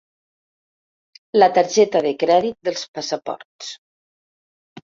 La targeta de crèdit dels passaports.